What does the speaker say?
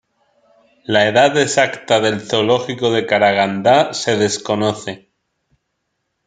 La edad exacta del zoológico de Karagandá se desconoce.